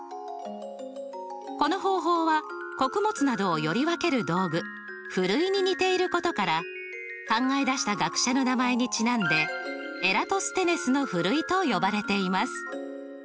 この方法は穀物などをより分ける道具ふるいに似ていることから考え出した学者の名前にちなんでエラトステネスのふるいと呼ばれています。